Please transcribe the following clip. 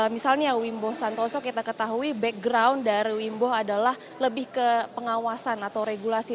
misalnya wimbo santoso kita ketahui background dari wimbo adalah lebih ke pengawasan atau regulasi